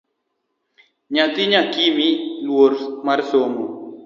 Nyathi nyakimi thuolo mar somo